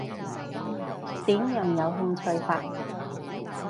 點樣有興趣法？